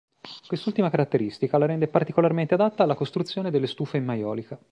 Quest'ultima caratteristica la rende particolarmente adatta alla costruzione delle stufe in maiolica.